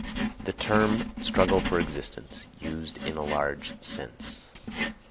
_The Term, Struggle for Existence, used in a large sense.